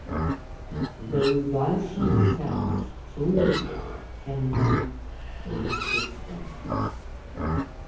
The revulsion I felt truly cannot be described.